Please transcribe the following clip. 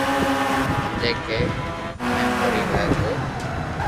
تو ھمجي ڪي منين پڙي جائي تو